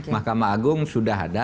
mahkamah agung sudah ada